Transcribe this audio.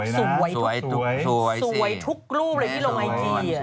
ถ่ายรูปสวยทุกรูปที่ลงไอที